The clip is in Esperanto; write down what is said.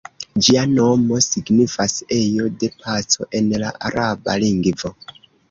Ĝia nomo signifas "ejo de paco" en la araba lingvo.